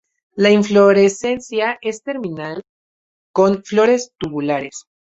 La inflorescencia es terminal con flores tubulares.